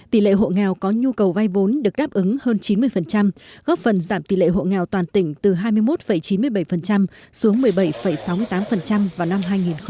tỷ lệ hộ nghèo có nhu cầu vay vốn được đáp ứng hơn chín mươi góp phần giảm tỷ lệ hộ nghèo toàn tỉnh từ hai mươi một chín mươi bảy xuống một mươi bảy sáu mươi tám vào năm hai nghìn một mươi